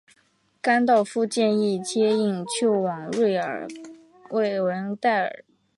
甘道夫建议接应救往瑞文戴尔。